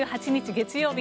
月曜日